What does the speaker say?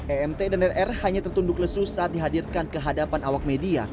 e mt dan rr hanya tertunduk lesu saat dihadirkan kehadapan awak media